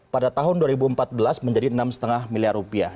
pada tahun dua ribu empat belas menjadi rp enam lima miliar